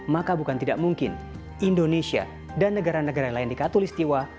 maka bukan tidak mungkin indonesia dan negara negara yang lain dikatulistiwa